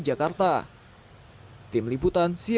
dalam rantau optimalisasi